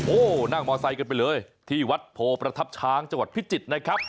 โอ้โหนั่งมอไซค์กันไปเลยที่วัดโพประทับช้างจังหวัดพิจิตรนะครับ